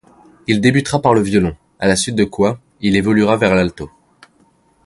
Il débutera par le violon, à la suite de quoi il évoluera vers l'alto.